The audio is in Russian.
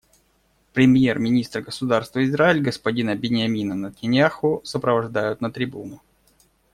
Премьер-министра Государства Израиль господина Биньямина Нетаньяху сопровождают на трибуну.